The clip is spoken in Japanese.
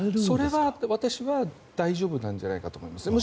それは私は大丈夫じゃないかと思います。